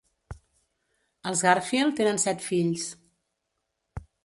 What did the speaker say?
Els Garfield tenen set fills.